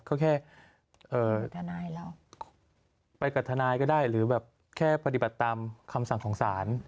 ก็แค่ทนายเราไปกับทนายก็ได้หรือแบบแค่ปฏิบัติตามคำสั่งของศาล